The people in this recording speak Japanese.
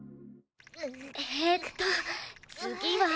えっと次は。